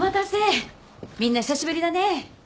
みんな久しぶりだね。